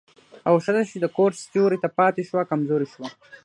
او ښځه چې د کور سيوري ته پاتې شوه، کمزورې شوه.